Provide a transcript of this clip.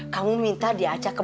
kamu minta diajak ke